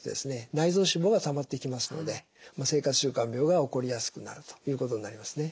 内臓脂肪がたまっていきますので生活習慣病が起こりやすくなるということになりますね。